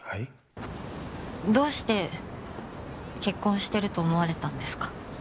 どうして結婚してると思われたんですか。